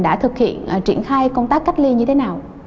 đã thực hiện triển khai công tác cách ly như thế nào